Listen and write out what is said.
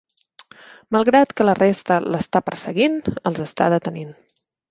Malgrat que la resta l"està perseguint, els està detenint.